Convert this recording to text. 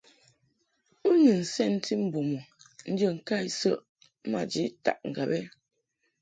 U ni nsɛnti mbum u njə ŋka isəʼɨ maji taʼ ŋgab?